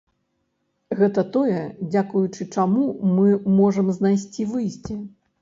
Гэта тое, дзякуючы чаму мы можам знайсці выйсце.